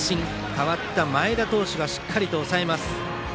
代わった前田投手がしっかりと抑えます。